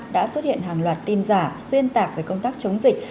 đã xuất hiện hàng loạt tin giả xuyên tạc về công tác chống dịch